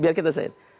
biar kita said